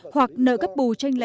hoặc nợ cấp bù trên nhà nước